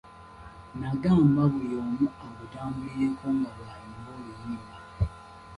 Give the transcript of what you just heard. Nagamba buli omu agutambulireko nga wayimba oluyimba.